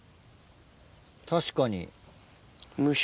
確かに。